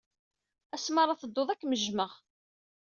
Asmi ara tedduḍ, ad kem-jjmeɣ.